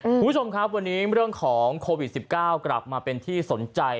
คุณผู้ชมครับวันนี้เรื่องของโควิด๑๙กลับมาเป็นที่สนใจ